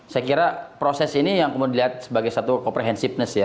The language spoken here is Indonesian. saya kira proses ini yang kemudian dilihat sebagai satu comprehensiveness ya